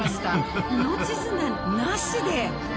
命綱なしで！